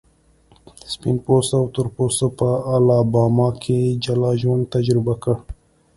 سپین پوستو او تور پوستو په الاباما کې جلا ژوند تجربه کړ.